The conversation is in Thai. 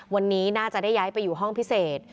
วันนี้น่าจะได้ย้ายไปอยู่ห้องพิเศษ